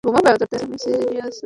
যাতে আমি সিরিয়াস না হই।